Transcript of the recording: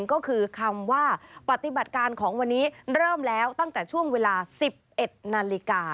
ก็คือคำว่าปฏิบัติการของวันนี้เริ่มแล้วตั้งแต่ช่วงเวลา๑๑นาฬิกา